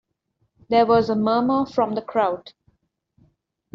There was a murmur from the crowd.